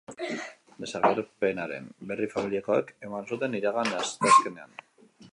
Desagerpenaren berri familiakoek eman zuten iragan asteazkenean.